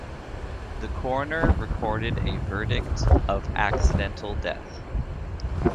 The coroner recorded a verdict of accidental death.